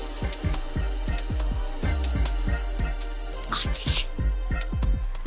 こっちです！